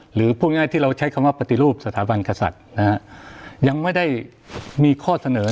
หรือพูดง่ายที่เราใช้คำว่าปฏิรูปสถาบันกษัตริย์นะฮะยังไม่ได้มีข้อเสนอ